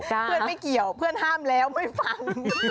ไม่เกี่ยวเพื่อนห้ามแล้วไม่ฟัง